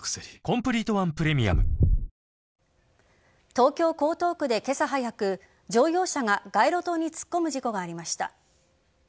東京・江東区で今朝早く乗用車が街路灯に突っ込む事故がありました。